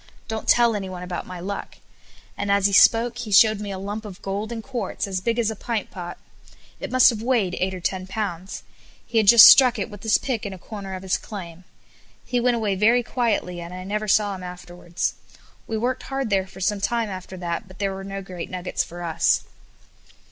Don't tell anyone about my luck," and as he spoke he showed me a lump of gold and quartz as big us a pint pot. It must have weighed eight or ten pounds. He had just struck it with his pick in a corner of his claim. He went away very quietly, and I never saw him afterwards. We worked hard there for some time after that, but there were no great nuggets for us.